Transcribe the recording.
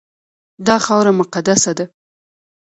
دا خاوره مقدسه ده.